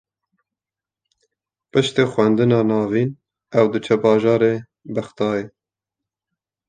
Piştî xwendina navîn, ew diçe bajarê Bexdayê